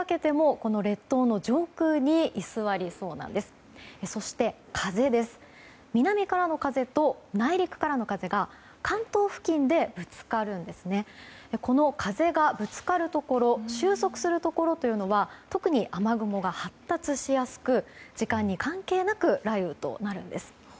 この風がぶつかるところ収束するところというのが特に雨雲が発達しやすく時間に関係なく雷雨となるんです。